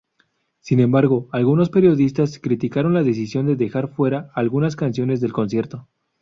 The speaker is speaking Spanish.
Sin embargo, algunos periodistas criticaron la decisión de dejar fuera algunas canciones del concierto.